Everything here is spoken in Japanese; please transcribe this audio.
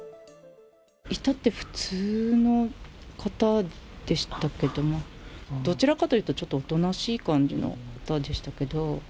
いたって普通の方でしたけども、どちらかというと、ちょっとおとなしい感じの方でしたけど。